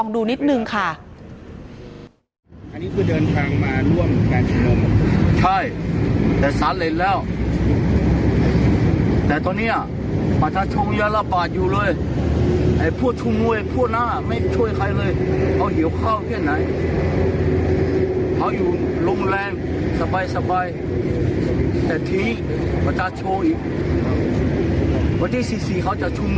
เดี๋ยวลองดูนิดนึงค่ะ